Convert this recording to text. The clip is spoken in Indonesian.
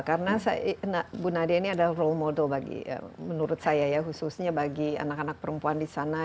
karena bu nadia ini ada role model bagi menurut saya ya khususnya bagi anak anak perempuan di sana